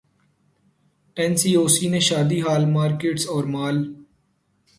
N C O C نے شادی hall, markets اور مال